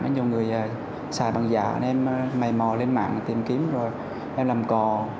nhiều người xài bằng giả em mây mò lên mạng tìm kiếm rồi em làm cò